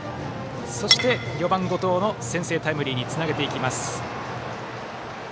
そして４番、後藤の先制タイムリーにつなげていきます。